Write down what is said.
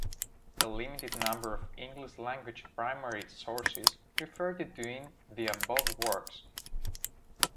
A limited number of English language primary sources referred to in the above works.